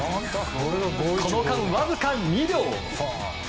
この間、わずか２秒！